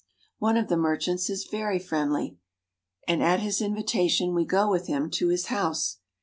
One of the merchants is very friendly, and at his invi tation we go with him to his house.